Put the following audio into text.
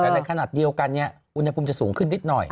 แต่ในขณะเดียวกันอุณหภูมิจะสูงขึ้นนิดหน่อย